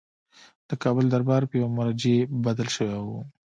د کابل دربار په یوه مرجع بدل شوی وو.